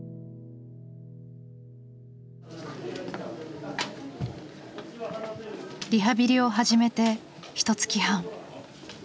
だからリハビリを始めてひとつき半。